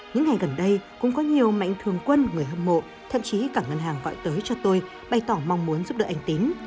những ngày gần đây cũng có nhiều mạnh thường quân người hâm mộ thậm chí cả ngân hàng gọi tới cho tôi bày tỏ mong muốn giúp đỡ anh tín